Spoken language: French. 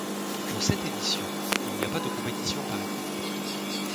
Pour cette édition, il n'y a pas de compétition par équipe.